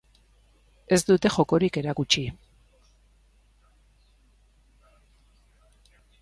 Ez dute jokorik erakutsi.